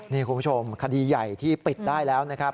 นี่คุณผู้ชมคดีใหญ่ที่ปิดได้แล้วนะครับ